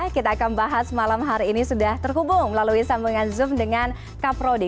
kita akan bahas malam hari ini sudah terhubung melalui sambungan zoom dengan kaprodi